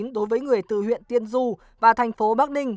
đối với người từ huyện tiên du và thành phố bắc ninh